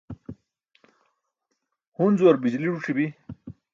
hunzuar bijili zuc̣i bi